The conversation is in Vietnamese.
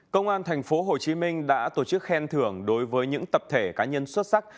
công an tp hcm đã tổ chức khen thưởng đối với những tập thể cá nhân xuất sắc